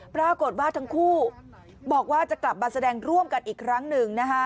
ปรากฏว่าทั้งคู่บอกว่าจะกลับมาแสดงร่วมกันอีกครั้งหนึ่งนะคะ